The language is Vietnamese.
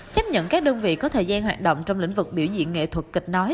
chấp nhận các đơn vị có thời gian hoạt động trong lĩnh vực biểu diễn nghệ thuật kịch nói